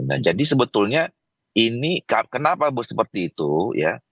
nah jadi sebetulnya ini kenapa seperti itu ya